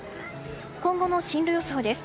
今後の進路予想です。